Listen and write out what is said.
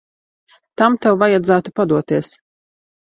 Tam tev vajadzētu padoties.